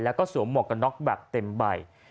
และสวมหมอกกับน็อคแบบเต็มใบ